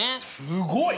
すごい！